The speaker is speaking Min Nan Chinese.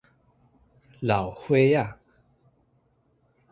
老歲仔